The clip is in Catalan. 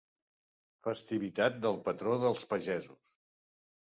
Festivitat del patró dels pagesos.